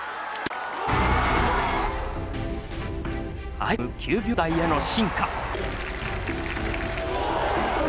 相次ぐ９秒台への進化。